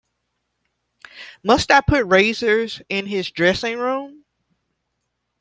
Must I put razors in his dressing-room?